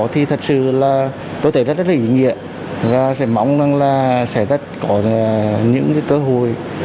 thì thật sự là tôi thấy rất là ý nghĩa và sẽ mong rằng là sẽ có những cơ hội